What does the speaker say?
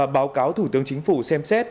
báo cáo thủ tướng chính phủ xem xét